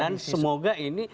dan semoga ini